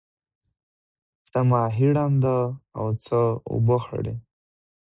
څه ماهی ړانده او څه اوبه خړی.